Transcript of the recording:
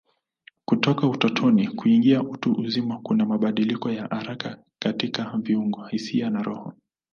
Kutoka utotoni kuingia utu uzima kuna mabadiliko ya haraka katika viungo, hisia na roho.